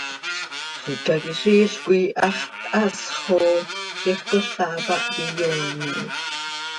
Xicaquiziil coi hax thaasx oo, ziix cola hapáh quih iyoonec.